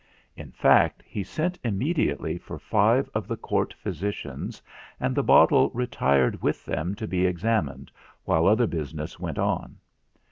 In fact, he sent immediately for five of the Court Physicians, and the bottle retired with them to be examined while other business went on.